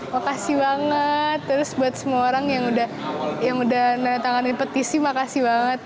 makasih banget terus buat semua orang yang udah nanda tangani petisi makasih banget